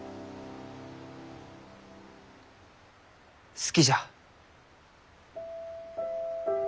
好きじゃ。